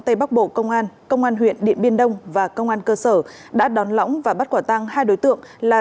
tây bắc bộ công an công an huyện điện biên đông và công an cơ sở đã đón lõng và bắt quả tăng hai đối tượng là